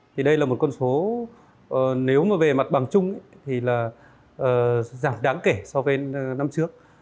thì đây là một con số nếu mà về mặt bằng chung thì là giảm đáng kể so với năm trước